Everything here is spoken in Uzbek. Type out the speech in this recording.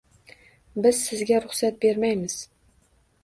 Biz sizga ruxsat bermaymiz.